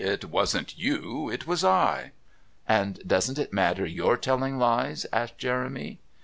"It wasn't you; it was I." "And doesn't it matter your telling lies?" asked Jeremy.